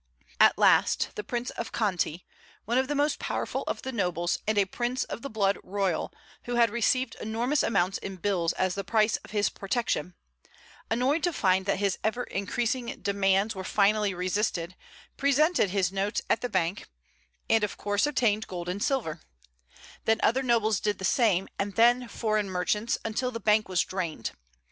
At last, the Prince of Conti, one of the most powerful of the nobles, and a prince of the blood royal, who had received enormous amounts in bills as the price of his protection, annoyed to find that his ever increasing demands were finally resisted, presented his notes at the bank, and of course obtained gold and silver; then other nobles did the same, and then foreign merchants, until the bank was drained.